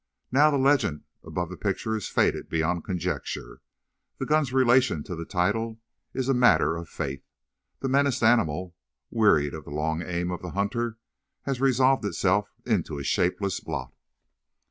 Now the legend above the picture is faded beyond conjecture; the gun's relation to the title is a matter of faith; the menaced animal, wearied of the long aim of the hunter, has resolved itself into a shapeless blot.